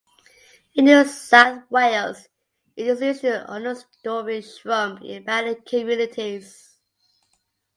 In New South Wales it is usually an understorey shrub in mallee communities.